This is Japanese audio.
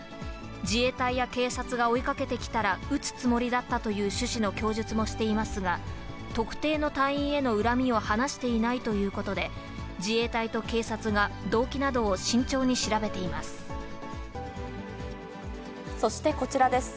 自衛隊や警察が追いかけてきたら撃つつもりだったという趣旨の供述もしていますが、特定の隊員への恨みを話していないということで、自衛隊と警察が、そしてこちらです。